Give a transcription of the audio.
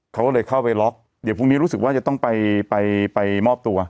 เขาก็เลยเข้าไปล็อกเดี๋ยวพรุ่งนี้รู้สึกว่าจะต้องไปไปมอบตัว